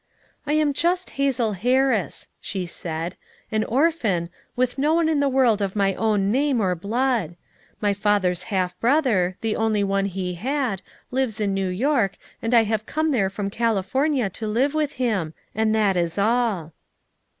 "I am just Hazel Hams," she said, "an or phan, with no one in the world of my own name or blood; my father's half brother, the only one he had, lives in New York and I have come there from California to live with him, and that is all."